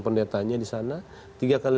pendetanya di sana tiga kali